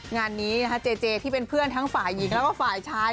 งานนี้นะคะเจเจที่เป็นเพื่อนทั้งฝ่ายหญิงแล้วก็ฝ่ายชาย